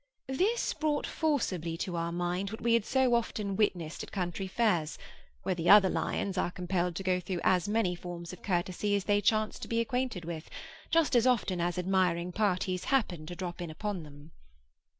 This brought forcibly to our mind what we had so often witnessed at country fairs, where the other lions are compelled to go through as many forms of courtesy as they chance to be acquainted with, just as often as admiring parties happen to drop in upon them.